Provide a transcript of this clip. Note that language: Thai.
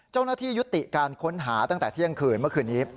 เจ้าหน้าที่ยุติการค้นหาตั้งแต่เที่ยงคืนเมื่อคืนนี้